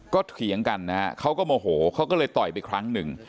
ก็เถียงกันครับเขาก็มาโห่เขาก็เลยต่อไปครั้งนึง